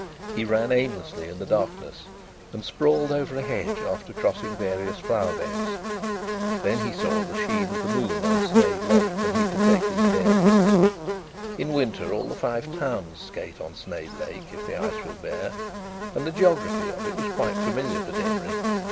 He ran aimlessly in the darkness and sprawled over a hedge, after crossing various flower beds. Then he saw the sheen of the moon on Sneyd Lake, and he could take his bearings. In winter all the Five Towns skate on Sneyd Lake if the ice will bear, and the geography of it was quite familiar to Denry.